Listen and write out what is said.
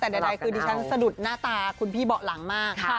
แต่ใดคือดิฉันสะดุดหน้าตาคุณพี่เบาะหลังมาก